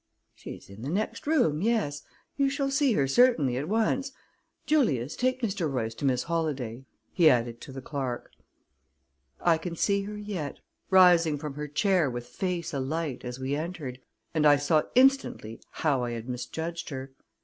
"She's in the next room, yes. You shall see her, certainly, at once. Julius, take Mr. Royce to Miss Holladay," he added to the clerk. I can see her yet, rising from her chair with face alight, as we entered, and I saw instantly how I had misjudged her.